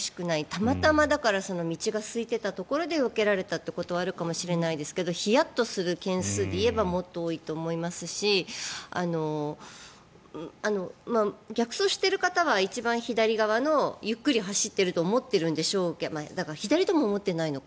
たまたま道がすいていたところでよけられたというところはあるかもしれませんがヒヤッとする件数でいえばもっと多いと思いますし逆走している方は一番左側をゆっくり走っていると思ってるんでしょうけど左とも思っていないのか。